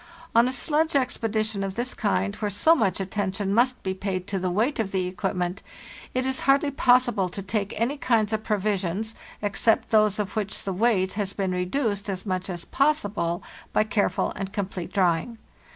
On a sledge expedition of this kind, where so much attention must be paid to the weight of the equipment, it is hardly possible to take any kinds of provisions, except those of which the weight has been reduced as much as possible by careful and complete drying.